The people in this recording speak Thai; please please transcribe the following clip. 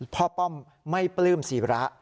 พ่อป้อมไม่ปรลื้มศิรา